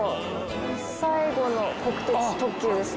「最後の国鉄特急です」